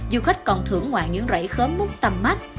du khách còn thưởng ngoại những rẫy khóm múc tầm mắt